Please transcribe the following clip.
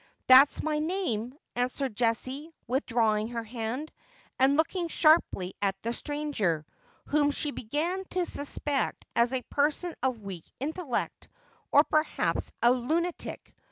'That's my name,' answered Jessie, withdrawing her hand, and looking sharply at the stranger, whom she began to suspect as a person of weak intellect, or perhaps a lunatic.